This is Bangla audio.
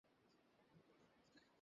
তোমার জামাইকে বাড়িতে আনতে যাচ্ছি!